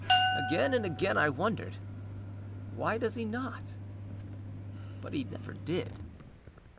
Again and again I wondered, âWhy does he not?â But he never did.